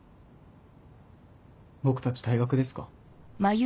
僕たち退学ですか？